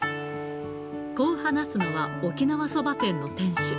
こう話すのは、沖縄そば店の店主。